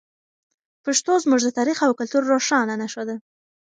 پښتو زموږ د تاریخ او کلتور روښانه نښه ده.